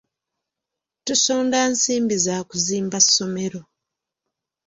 Tusonda nsimbi za kuzimba ssomero.